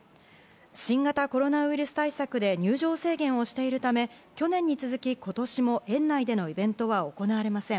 新型コロナウイルス対策で入場制限をしているため、去年に続き今年も園内でのイベントは行われません。